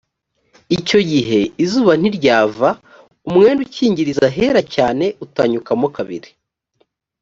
icyo gihe izuba ntiryava umwenda ukingiriza ahera cyane utanyukamo kabiri